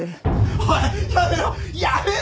おいやめろ！